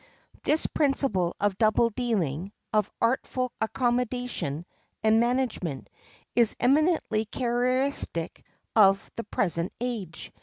This principle of double dealing, of artful accommodation and management, is eminently characteristic of the present age.